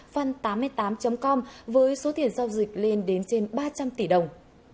phân tám mươi tám com với số tiền giao dịch lên đến trên ba trăm linh tỷ đồng